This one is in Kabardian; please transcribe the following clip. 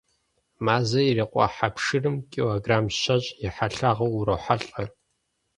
Мазэ ирикъуа хьэ пшырым килограмм щэщӏ и хьэлъагъыу урохьэлӀэ.